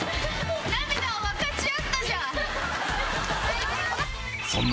涙を分かち合ったじゃん！